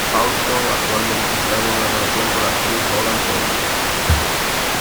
Paulson actualmente está en una relación con la actriz Holland Taylor.